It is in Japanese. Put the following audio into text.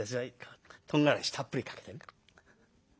とんがらしたっぷりかけて。